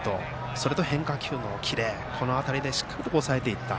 それと変化球のキレという辺りでしっかり抑えた。